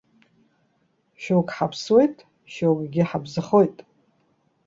Шьоукы ҳаԥсуеит, шьоукгьы ҳабзахоит.